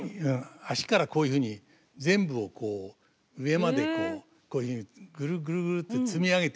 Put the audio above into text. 足からこういうふうに全部をこう上までこういうふうにぐるぐるぐるって積み上げていく。